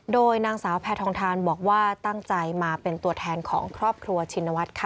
โดยนางสาวแพทองทานบอกว่าตั้งใจมาเป็นตัวแทนของครอบครัวชินวัฒน์ค่ะ